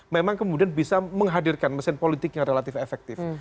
memang kemudian bisa menghadirkan mesin politik yang relatif efektif